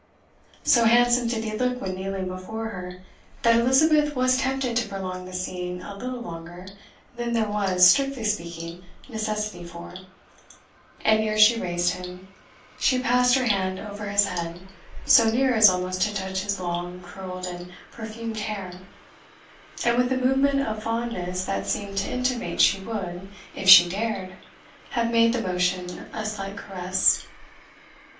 So handsome did he look when kneeling before her, that Elizabeth was tempted to prolong the scene a little longer than there was, strictly speaking, necessity for; and ere she raised him, she passed her hand over his head, so near as almost to touch his long, curled, and perfumed hair, and with a movement of fondness that seemed to intimate she would, if she dared, have made the motion a slight caress.